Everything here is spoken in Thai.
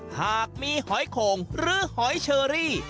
หากมีหอยโข่งหรือหอยเชอรี่